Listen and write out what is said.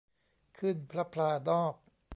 ขึ้นพลับพลานอก